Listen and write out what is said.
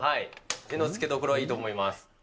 目の付けどころはいいと思います。